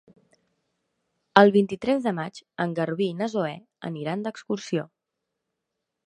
El vint-i-tres de maig en Garbí i na Zoè aniran d'excursió.